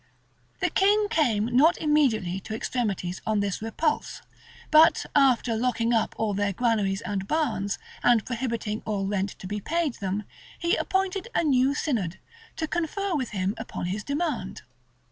[] The king came not immediately to extremities on this repulse; but after locking up all their granaries and barns, and prohibiting all rent to be paid them, he appointed a new synod, to confer with him upon his demand.